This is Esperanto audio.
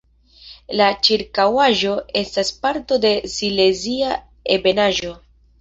La ĉirkaŭaĵo estas parto de Silezia ebenaĵo.